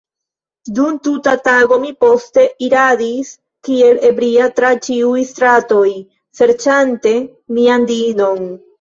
Dum tuta tago mi poste iradis kiel ebria tra ĉiuj stratoj, serĉante mian diinon.